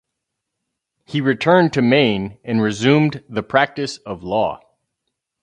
He returned to Maine and resumed the practice of law.